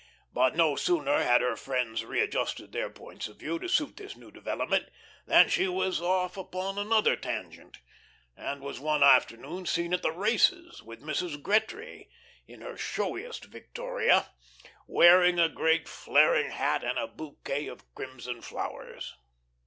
But no sooner had her friends readjusted their points of view to suit this new development than she was off upon another tangent, and was one afternoon seen at the races, with Mrs. Gretry, in her showiest victoria, wearing a great flaring hat and a bouquet of crimson flowers.